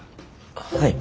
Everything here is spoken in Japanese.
はい。